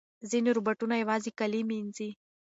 ځینې روباټونه یوازې کالي مینځي.